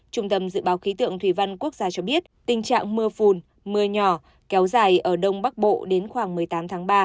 trung tâm dự báo khí tượng thủy văn quốc gia cho biết tình trạng mưa phùn mưa nhỏ kéo dài ở đông bắc bộ đến khoảng một mươi tám tháng ba